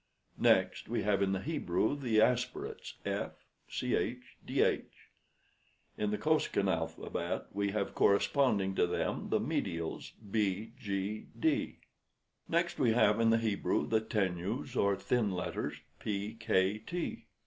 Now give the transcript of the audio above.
Next we have in the Hebrew the aspirates F, Ch, Dh. In the Kosekin alphabet we have corresponding to them the medials B, G, D. Next we have in the Hebrew the tenues, or thin letters P, K, T.